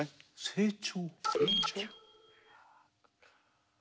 成長？